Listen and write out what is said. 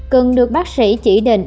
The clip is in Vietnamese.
cần được bác sĩ chỉ định